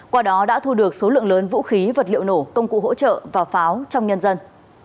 qua đó đã thu được số lượng lớn vũ khí vật liệu nổ công cụ hỗ trợ và pháo trong nhân dân